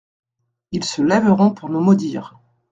Ils se lèveront pour nous maudire.